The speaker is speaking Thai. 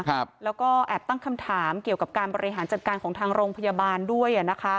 ครับแล้วก็แอบตั้งคำถามเกี่ยวกับการบริหารจัดการของทางโรงพยาบาลด้วยอ่ะนะคะ